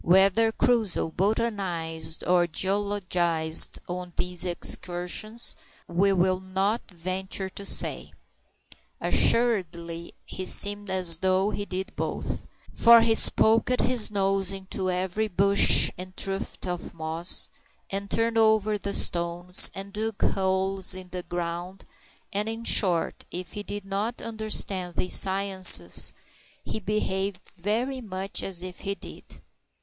Whether Crusoe botanized or geologized on these excursions we will not venture to say. Assuredly he seemed as though he did both, for he poked his nose into every bush and tuft of moss, and turned over the stones, and dug holes in the ground and, in short, if he did not understand these sciences, he behaved very much as if he did.